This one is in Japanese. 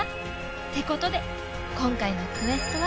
ってことで今回のクエストは？